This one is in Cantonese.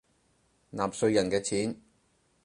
納稅人嘅錢